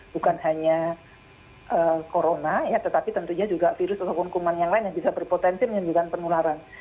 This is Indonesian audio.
bukan hanya corona ya tetapi tentunya juga virus ataupun kuman yang lain yang bisa berpotensi menimbulkan penularan